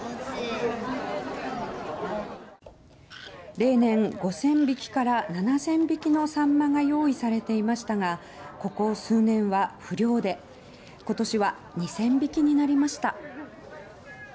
例年５０００匹から７０００匹のサンマが用意されていましたがここ数年は不漁でと感じています。